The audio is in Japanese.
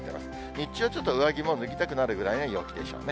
日中、ちょっと上着脱ぎたくなるような陽気でしょうね。